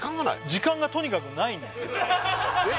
時間がとにかくないんですよえっ